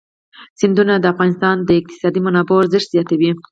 سیندونه د افغانستان د اقتصادي منابعو ارزښت زیاتوي.